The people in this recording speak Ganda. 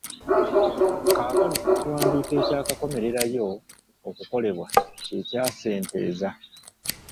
Kaakano ekiwandiiko ekyakakomererayo okukolebwa kye kya Ssenteza